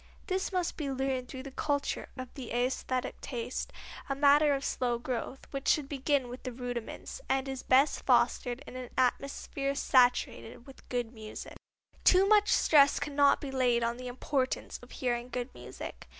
This must be learned through the culture of the æsthetic taste, a matter of slow growth, which should begin with the rudiments, and is best fostered in an atmosphere saturated with good music. Too much stress cannot be laid on the importance of hearing good music.